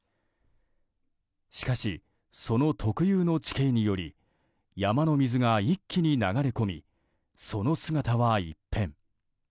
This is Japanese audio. しかし、その特有の地形により山の水が一気に流れ込みその姿は一変。